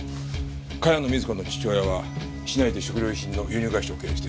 茅野瑞子の父親は市内で食料品の輸入会社を経営している。